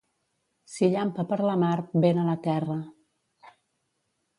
Si llampa per la mar, vent a la terra.